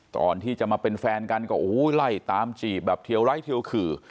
ก่อนที่จะมาเป็นแฟนกันก็โอ้โหไล่ตามจีบแบบเทียวไร้เทียวขื่อ